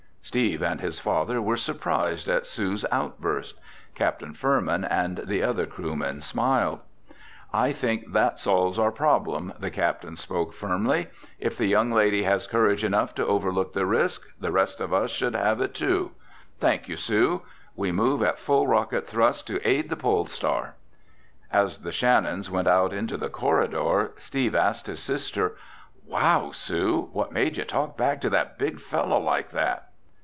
Steve and his father were surprised at Sue's outburst. Captain Furman and the other crewmen smiled. "I think that solves our problem," the captain spoke firmly. "If the young lady has courage enough to overlook the risk, the rest of us should have it, too. Thank you, Sue. We move at full rocket thrust to aid the Pole Star." As the Shannons went out into the corridor, Steve asked his sister, "Wow, Sue, what made you talk back to that big fellow like that?"